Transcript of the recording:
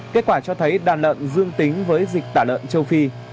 kết quả cho thấy đàn lợn dương tính với dịch tả lợn châu phi